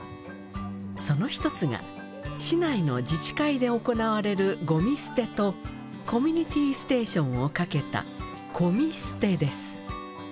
その一つが市内の自治会で行われるゴミ捨てとコミュニティステーションを掛けた「こみすて」です。